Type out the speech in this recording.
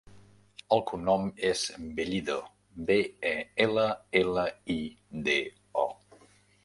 El cognom és Bellido: be, e, ela, ela, i, de, o.